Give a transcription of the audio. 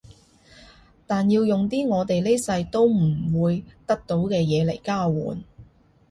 但要用啲我哋呢世都唔會得到嘅嘢嚟交換